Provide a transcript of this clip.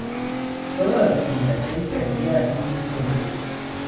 Toda la documentación se hacía asimismo en ruso.